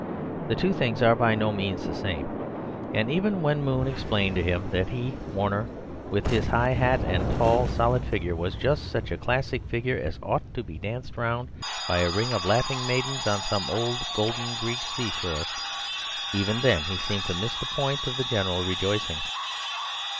The two things are by no means the same; and even when Moon explained to him that he, Warner, with his high hat and tall, solid figure, was just such a classic figure as OUGHT to be danced round by a ring of laughing maidens on some old golden Greek seashore— even then he seemed to miss the point of the general rejoicing.